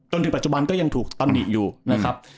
ถึงปัจจุบันก็ยังถูกตำหนิอยู่นะครับ